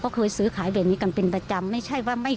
ก็เคยซื้อขายแบบนี้กันเป็นประจำไม่ใช่ว่าไม่